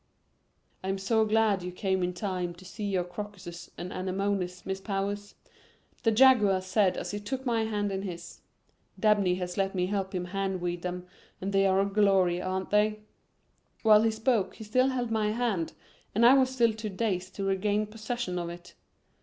"I'm so glad you came in time to see your crocuses and anemones, Miss Powers," the Jaguar said as he took my hand in his. "Dabney has let me help him hand weed them and they are a glory, aren't they?" While he spoke he still held my hand and I was still too dazed to regain possession of it.